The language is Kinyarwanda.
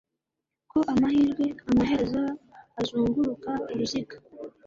ko Amahirwe amaherezo azunguruka uruziga